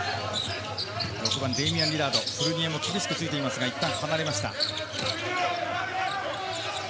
６番デイミアン・リラード、フルニエも厳しくついていますが、いったん離れました。